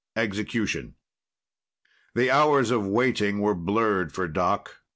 X Execution The hours of waiting were blurred for Doc.